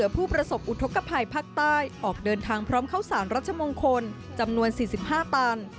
ผู้ประสบอุทธกภัยภาคใต้ออกเดินทางพร้อมเข้าสารรัชมงคลจำนวน๔๕ตัน